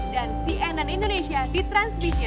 dan cnn indonesia di transmedia